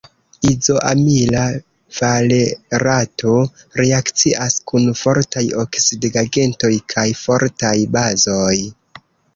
Izoamila valerato reakcias kun fortaj oksidigagentoj kaj fortaj bazoj.